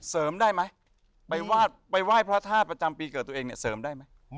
เสริมได้ไหมไปว่ายพระทาสประจำปีเกิดตัวเองเนี่ยเสริมได้ไหม